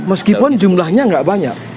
meskipun jumlahnya nggak banyak